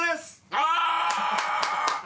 ああ！